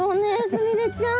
すみれちゃん。